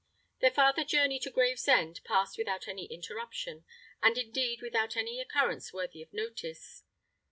Their farther journey to Gravesend passed without any interruption, and indeed without any occurrence worthy of notice.